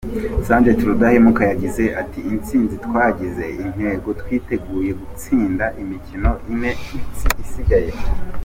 Sgt Rudahemuka yagize ati :"Intsinzi twayigize intego. Twiteguye gutsinda imikino ine isigaye. "